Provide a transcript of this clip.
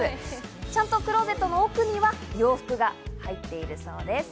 ちゃんとクローゼットの奥には洋服が入っているそうです。